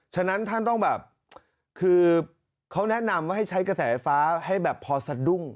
ฉะนั้นท่านต้องแบบคือเขาแนะนำว่าให้ใช้กระแสไฟฟ้าให้แบบพอสะดุ้ง